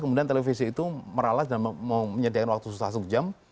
kemudian televisi itu meralas dan menyediakan waktu susah satu jam